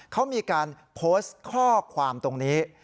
เขามีการโพสต์ข้อความตรงนี้